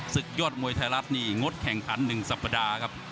ศึกยอดมวยไทยรัฐนี่งดแข่งขัน๑สัปดาห์ครับ